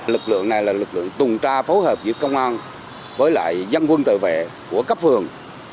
lực lượng này là lực lượng tuần tra phối hợp giữa công an với dân quân tự vệ của cấp phường